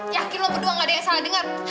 yakin lo berdua gak ada yang salah dengar